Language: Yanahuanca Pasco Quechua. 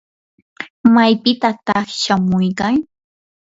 ¿maypitataq shamuykan?